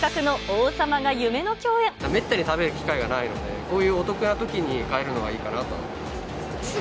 めったに食べる機会がないので、こういうお得なときに買えるのはいいかなと思います。